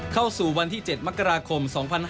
เข้าสู่วันที่๗มกราคม๒๕๕๙